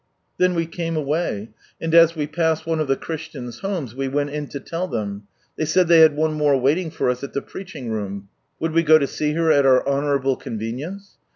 Then we came away, and as we passed one of the Christians' homes, we went in to tell them. They said they had one more waiting for us at the preaching room : would we go to see her at our honourable convenience